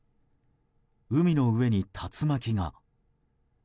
海の上に竜巻が。